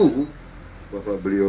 begitu saya dengar bahwa beliau